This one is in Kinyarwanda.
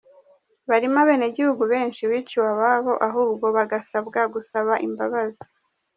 Barimo abenegihugu benshi biciwe ababo, ahubwo bagasabwa gusaba imbabazi;